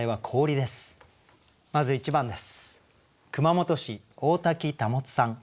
まず１番です。